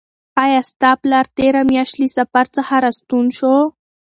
آیا ستا پلار تېره میاشت له سفر څخه راستون شو؟